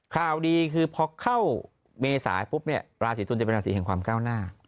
ข่าวดีคือพอเข้าเมษาปุ๊บเนี่ยราศีตุลจะเป็นราศีแห่งความก้าวหน้า